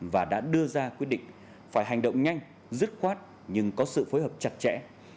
và đã đưa ra quyết định phải hành động nhanh dứt khoát nhưng có sự phối hợp chặt chẽ